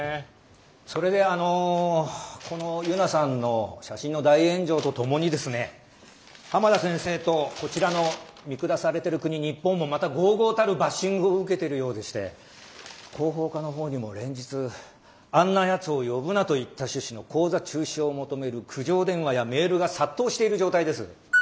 それであのこのユナさんの写真の大炎上とともにですね浜田先生とこちらの「見下されてる国日本」もまたごうごうたるバッシングを受けてるようでして広報課の方にも連日「あんなやつを呼ぶな」といった趣旨の講座中止を求める苦情電話やメールが殺到している状態です。